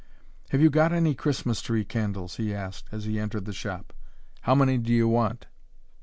"Have you got any Christmas tree candles?" he asked as he entered the shop. "How many do you want?"